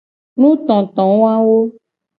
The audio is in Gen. Nutotowawo.